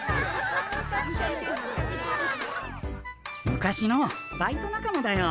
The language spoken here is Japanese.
昔のバイト仲間だよ。